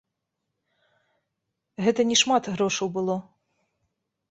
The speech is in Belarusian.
Гэта не шмат грошаў было.